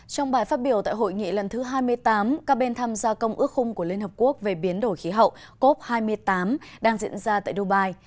trong bài phát biểu tại hội nghị lần thứ hai mươi tám các bên tham gia công ước khung của liên hợp quốc về biến đổi khí hậu cop hai mươi tám đang diễn ra tại dubai